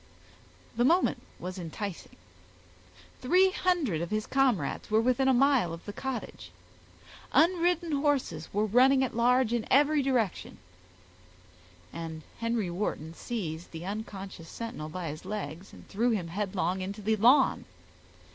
The moment was enticing. Three hundred of his comrades were within a mile of the cottage; unridden horses were running at large in every direction, and Henry Wharton seized the unconscious sentinel by his legs, and threw him headlong into the lawn.